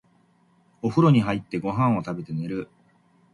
お風呂に入って、ご飯を食べて、寝る。